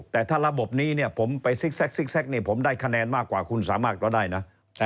แต่ถ้าระบบนี้ผมไปซิกแซกผมได้คะแนนมากกว่าคุณสามารก็ได้นะ